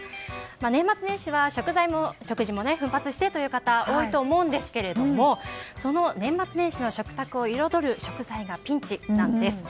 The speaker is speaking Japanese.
年末年始は食材、食事も奮発してという方多いと思うんですがその年末年始の食卓を彩る食材がピンチなんです。